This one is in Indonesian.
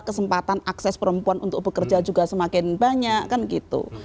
kesempatan akses perempuan untuk bekerja juga semakin banyak kan gitu